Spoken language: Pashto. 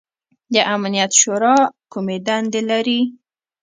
د امنیت شورا کومې دندې لري؟